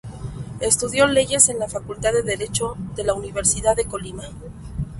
Estudió leyes en la Facultad de Derecho de la Universidad de Colima.